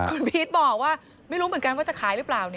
คุณพีชบอกว่าไม่รู้เหมือนกันว่าจะขายหรือเปล่า